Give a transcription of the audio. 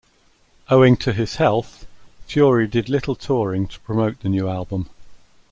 Owing to his health, Fury did little touring to promote the new album.